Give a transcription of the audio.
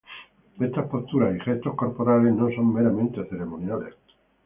Estas posturas y gestos corporales no son meramente ceremoniales.